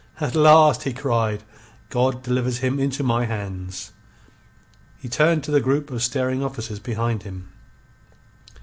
"At last!" he cried. "God delivers him into my hands!" He turned to the group of staring officers behind him.